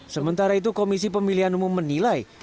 sementara itu komisi pemilihan umum menilai